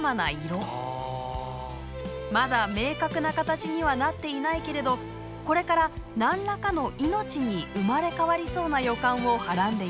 まだ明確な形にはなっていないけれどこれから何らかの命に生まれ変わりそうな予感をはらんでいます。